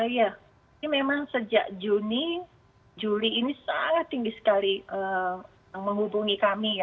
ya ini memang sejak juni juli ini sangat tinggi sekali